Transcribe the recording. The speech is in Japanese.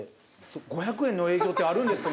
５００円の営業ってあるんですか。